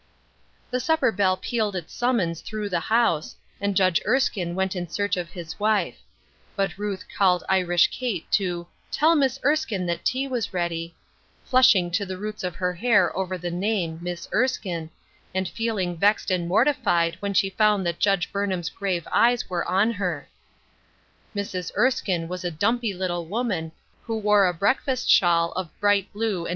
The supper bell pealed its summons through the house, and Judge Erskine went in search of his wife; but Ruth called Irish Kate to "tell Miss Erskine that tea was ready," flushing to the roots of her hair over the name " Miss Erskine," and feeling vexed and mortified when she found that Judge Burnham's grave eyes were on her, Mrs. Erskine was a dumpy little woman, who wore a breakfast shawl of bright blu« and 20 Ruth Erskine Crosses.